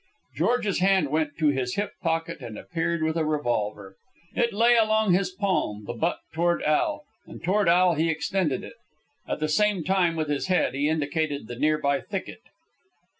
George's hand went to his hip pocket and appeared with a revolver. It lay along his palm, the butt toward Al, and toward Al he extended it. At the same time, with his head, he indicated the near by thicket.